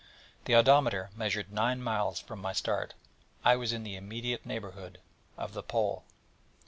The odometer measured nine miles from my start. I was in the immediate neighbourhood of the Pole.